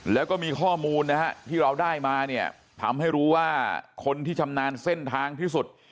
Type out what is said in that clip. แล้วก็มีข้อมูลนะฮะที่เราได้มาเนี่ยทำให้รู้ว่าคนที่ชำนาญเส้นทางที่สุด